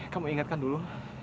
kamu ingatkan dulu